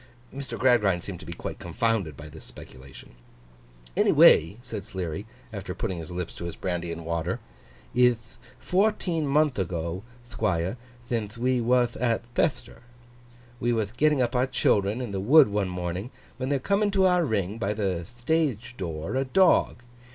Mr. Gradgrind seemed to be quite confounded by this speculation. 'Any way,' said Sleary, after putting his lips to his brandy and water, 'ith fourteen month ago, Thquire, thinthe we wath at Chethter. We wath getting up our Children in the Wood one morning, when there cometh into our Ring, by the thtage door, a dog.